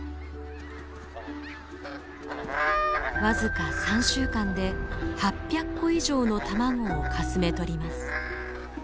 僅か３週間で８００個以上の卵をかすめ取ります。